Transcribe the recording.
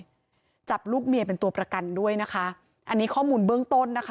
จับลูกเมียเป็นตัวประกันด้วยนะคะอันนี้ข้อมูลเบื้องต้นนะคะ